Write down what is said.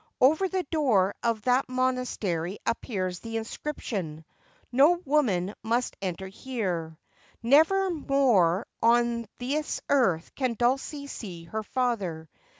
Over the door of that monastery appears the inscription, ' No woman must enter here.' Xevei more upon this earth can Dulcie see her father.